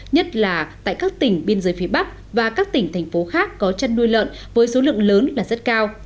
nhất là tại các tỉnh biên giới phía bắc và các tỉnh thành phố khác có chăn nuôi lợn với số lượng lớn là rất cao